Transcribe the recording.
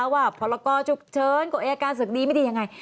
ว่าพละกอร์จุกเชิญกระเอียดการศึกษ์ดีไม่ได้ยังไง